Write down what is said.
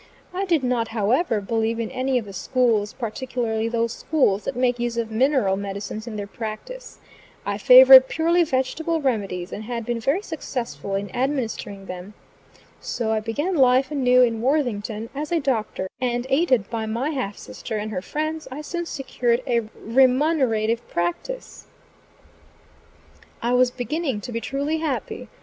I did not however, believe in any of the "schools" particularly those schools that make use of mineral medicines in their practice. I favored purely vegetable remedies, and had been very successful in administering them. So I began life anew, in Worthington, as a Doctor, and aided by my half sister and her friends, I soon secured a remunerative practice. I was beginning to be truly happy.